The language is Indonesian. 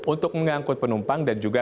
untuk mengangkut penumpang dan juga